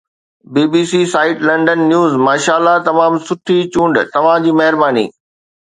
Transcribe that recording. بي B C site London news ماشاءالله تمام سٺي چونڊ توهان جي مهرباني